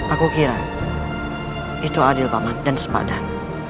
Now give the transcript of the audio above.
aku kira itu adil paman dan sepadan